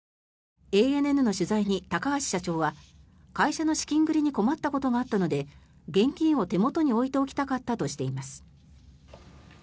ＡＮＮの取材に、高橋社長は会社の資金繰りに困ったことがあったので現金を手元に置いておきたかったとしています。